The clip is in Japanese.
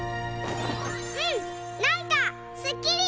うんなんかすっきり！